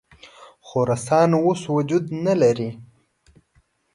خراسان اوس وجود نه لري.